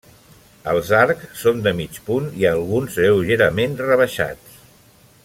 Els arcs són de mig punt i alguns lleugerament rebaixats.